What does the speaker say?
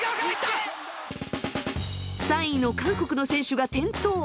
３位の韓国の選手が転倒！